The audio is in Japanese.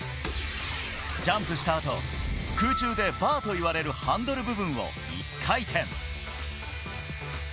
ジャンプしたあと空中でバーといわれるハンドル部分を１回転。